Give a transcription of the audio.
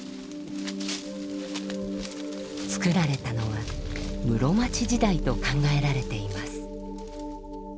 つくられたのは室町時代と考えられています。